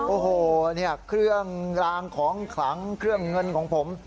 โอ้โหเนี่ยเครื่องรางของขลังเครื่องเงินของผม